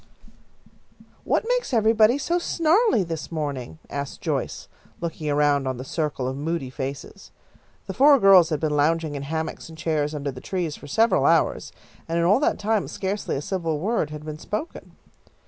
"What makes everybody so snarly this morning?" asked Joyce, looking around on the circle of moody faces. The four girls had been lounging in hammocks and chairs under the trees for several hours, and in all that time scarcely a civil word had been spoken.